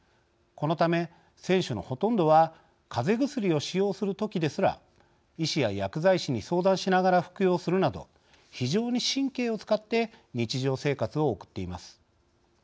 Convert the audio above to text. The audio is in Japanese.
このため、選手のほとんどはかぜ薬を使用するときですら医師や薬剤師に相談しながら服用するなど非常に神経を使って日常生活を送っています。